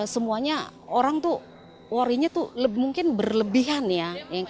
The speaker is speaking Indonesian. semuanya orang tuh worry nya tuh mungkin berlebihan ya